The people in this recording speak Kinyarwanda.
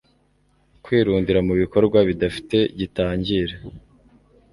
Kwirundurira mu bikorwa bidafite gitangira